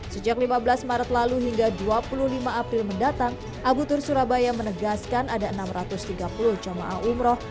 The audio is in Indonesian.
sejak lima belas maret lalu hingga dua puluh lima april mendatang abu tur surabaya menegaskan ada enam ratus tiga puluh jemaah umroh